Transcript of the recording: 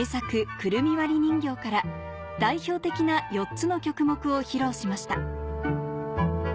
『くるみ割り人形』から代表的な４つの曲目を披露しました